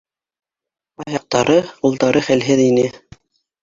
Аяҡтары, ҡулдары хәлһеҙ ине.